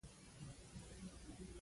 د نظم دوام د خط له لارې ممکن شو.